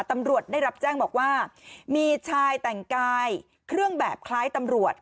ตำรวจได้รับแจ้งบอกว่ามีชายแต่งกายเครื่องแบบคล้ายตำรวจ